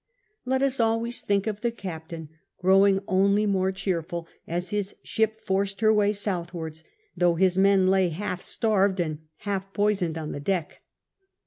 Let us always think of the captain growing only more cheerful as his i86 CAPTAIN COOK CITAP, ship forced her way southwards, though his men lay half starved and half poisoned on the deck.